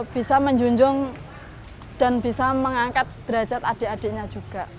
bisa menjunjung dan bisa mengangkat derajat adik adiknya juga